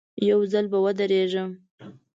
یو ځل به ورېږدم.